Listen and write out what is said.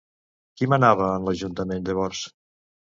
Qui manava en l'ajuntament llavors?